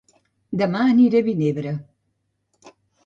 Dema aniré a Vinebre